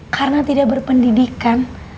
karena tidak berpendidikan